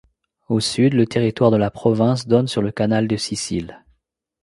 Au sud, le territoire de la province donne sur le canal de Sicile.